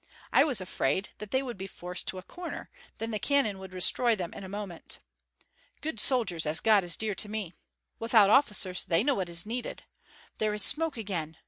I was afraid that they would be forced to a corner, then the cannon would destroy them in a moment. Good soldiers, as God is dear to me! Without officers, they know what is needed. There is smoke again!